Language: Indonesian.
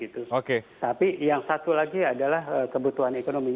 tapi yang satu lagi adalah kebutuhan ekonomi